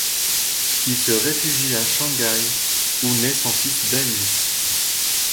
Il se réfugie à Shangaï, où naît son fils Davis.